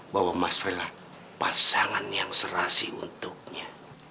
bahwa mas pray lah pasangan yang serasi untuknya